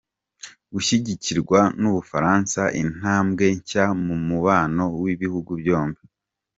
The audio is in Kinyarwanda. Gushyigikirwa n’u Bufaransa, intambwe nshya mu mubano w’ibihugu byombi.